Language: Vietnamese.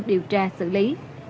điều tra xử lý